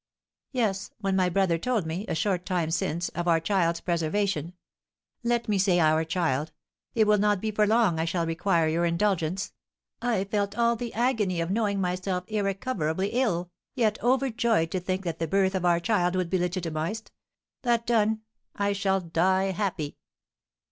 Yes, when my brother told me, a short time since, of our child's preservation, let me say our child, it will not be for long I shall require your indulgence, I felt all the agony of knowing myself irrecoverably ill, yet overjoyed to think that the birth of our child would be legitimised; that done, I shall die happy!"